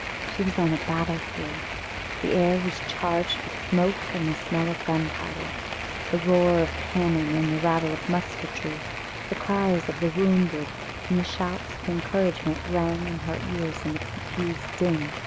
She was on a battlefield. The air was charged with smoke and the smell of gunpowder. The roar of cannon and the rattle of musketry, the cries of the wounded, and shouts of encouragement rang in her ears in a confused din.